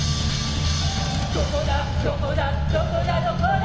「どこだどこだどこだどこだ」